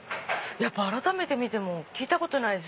改めて見ても聞いたことないです